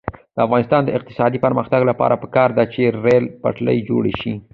د افغانستان د اقتصادي پرمختګ لپاره پکار ده چې ریل پټلۍ جوړه شي.